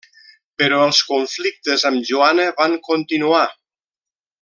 Però els conflictes amb Joana van continuar.